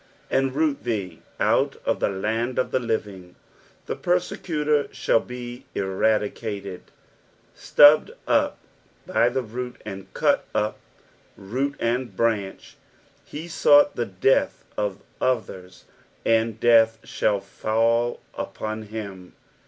"And root thee ovt of the land of the liciny.'" The persecutor shall be eradicated, stubbed up by the root, cut up root and branch. He sought the death of others and death shall fall upon him.